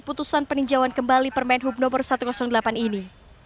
putusan peninjauan kembali permain hub satu ratus delapan ini